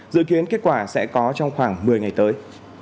dự kiến kết quả sẽ có trong khoảng một mươi ngày tới